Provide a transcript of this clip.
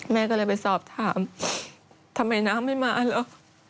แม่ก็เลยไปสอบถามทำไมน้ำไม่มาเหรอ